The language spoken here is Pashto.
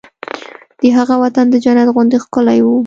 د هغه وطن د جنت غوندې ښکلی و